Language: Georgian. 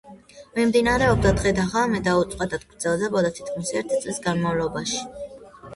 მიმდინარეობდა დღე და ღამე და უწყვეტად გრძელდებოდა თითქმის ერთი წლის განმავლობაში.